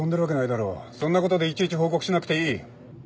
そんなことでいちいち報告しなくていい。